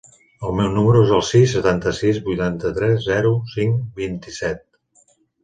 El meu número es el sis, setanta-sis, vuitanta-tres, zero, cinc, vint-i-set.